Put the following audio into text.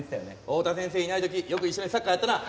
大田先生いない時よく一緒にサッカーやったな。